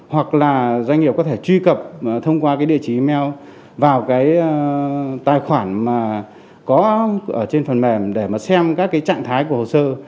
hoặc doanh nghiệp có thể truy cập thông qua địa chỉ email vào tài khoản trên phần mềm để xem các trạng thái của hồ sơ